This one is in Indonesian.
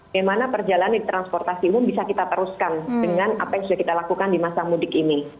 bagaimana perjalanan di transportasi umum bisa kita teruskan dengan apa yang sudah kita lakukan di masa mudik ini